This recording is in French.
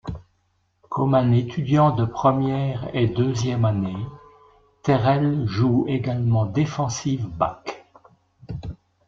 Comme un étudiant de première et deuxième année, Terrell joue également defensive back.